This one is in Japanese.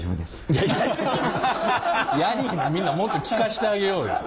みんなもっと聞かしてあげようよ。